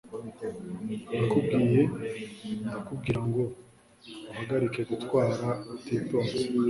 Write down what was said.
nakubwiye ndakubwira ngo uhagarike gutwara utitonze